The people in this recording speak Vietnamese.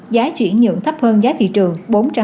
giá chuyển nhượng thấp hơn giá thị trường